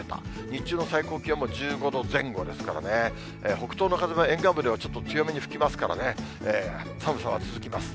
日中の最高気温も１５度前後ですからね、北東の風も沿岸部ではちょっと強めに吹きますからね、寒さは続きます。